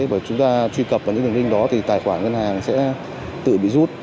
bởi chúng ta truy cập vào những đồng minh đó thì tài khoản ngân hàng sẽ tự bị rút